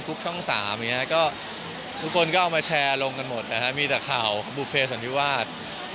กรุ๊ปช่องสามอย่างนี้ครับก็ทุกคนก็เอามาแชร์ลงกันหมดนะครับมีแต่ข่าวบุภัยสวรรค์พี่วาด